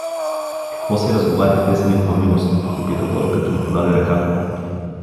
— Какво се разговаряхте с негова милост? — попита той, като ми подаде ръка.